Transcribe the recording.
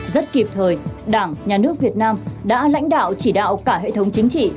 rất kịp thời đảng nhà nước việt nam đã lãnh đạo chỉ đạo cả hệ thống chính trị